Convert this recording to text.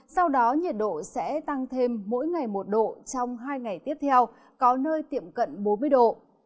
sau đó nhiệt độ sẽ tăng thêm mỗi ngày một độ trong hai ngày tiếp theo có nơi tiệm cận bốn mươi độ